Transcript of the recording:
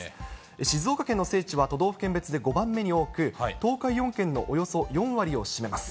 静岡県の聖地は都道府県別で５番目に多く、東海４県のおよそ４割を占めます。